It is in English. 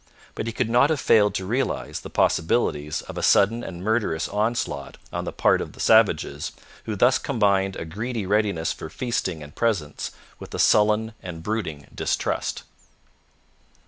But he could not have failed to realize the possibilities of a sudden and murderous onslaught on the part of savages who thus combined a greedy readiness for feasting and presents with a sullen and brooding distrust.